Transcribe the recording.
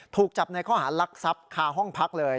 ถูกจับในข้อหารักทรัพย์คาห้องพักเลย